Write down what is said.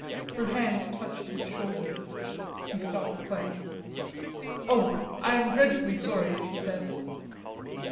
Her hand touched his shoulder. He stopped playing. "Oh, I am dreadfully sorry," she said.